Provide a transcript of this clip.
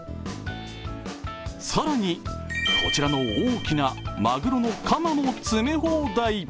更に、こちらの大きなまぐろのカマも詰め放題。